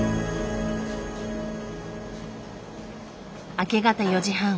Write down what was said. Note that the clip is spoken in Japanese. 明け方４時半。